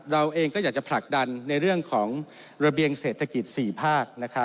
เราเองก็อยากจะผลักดันในเรื่องของระเบียงเศรษฐกิจ๔ภาค